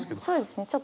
そうですね。